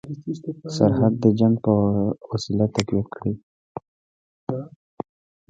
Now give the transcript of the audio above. سرحد د جنګ په وسیله تقویه کړي.